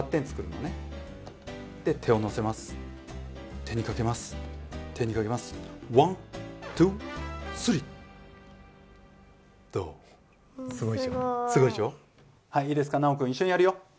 はいいいですか尚くん一緒にやるよ。